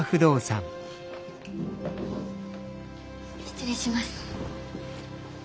失礼します。